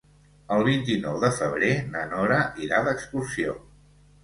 El vint-i-nou de febrer na Nora irà d'excursió.